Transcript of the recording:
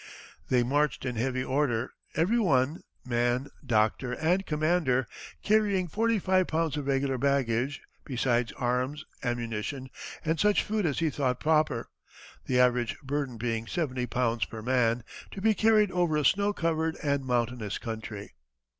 They marched in heavy order, every one man, doctor, and commander carrying forty five pounds of regular baggage, besides arms, ammunition, and such food as he thought proper; the average burden being seventy pounds per man, to be carried over a snow covered and mountainous country.